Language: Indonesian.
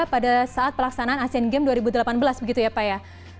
pada saat pelaksanaan asian games dua ribu delapan belas begitu ya pak ya